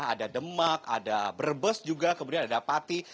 ada demak ada brebes juga kemudian ada pati